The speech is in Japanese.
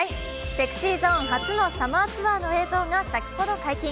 ＳｅｘｙＺｏｎｅ初のサマーツアーの映像が先ほど解禁。